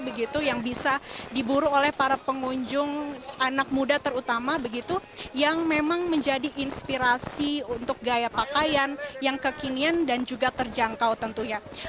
begitu yang bisa diburu oleh para pengunjung anak muda terutama begitu yang memang menjadi inspirasi untuk gaya pakaian yang kekinian dan juga terjangkau tentunya